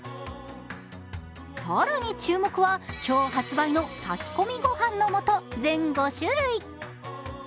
更に注目は、今日発売の炊き込みご飯の素全５種類。